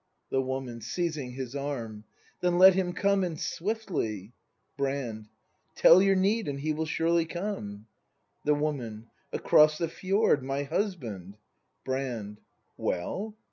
The Woman. [Seizing his arm.] Then let him come, and swiftly! Brand. Tell Your need, and he will surely come. The Woman. Across the fjord — my husband Brand. Well?